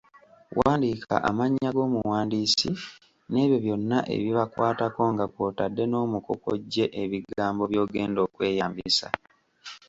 Wandiika amannya g’omuwandiisi n’ebyo byonna ebibakwatako nga kw’otadde n’omuko kw’oggye ebigambo by’ogenda okweyambisa.